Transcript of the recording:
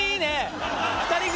２人組